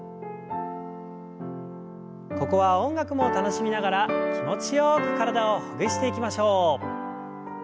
ここは音楽も楽しみながら気持ちよく体をほぐしていきましょう。